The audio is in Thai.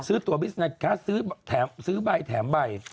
ซื้อตัวบิสเนสค่ะซื้อแบ่ยแถม